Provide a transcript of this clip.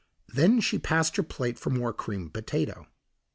Then she passed her plate for more creamed potato.